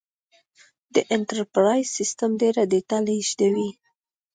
دا انټرپرایز سیسټم ډېره ډیټا لېږدوي.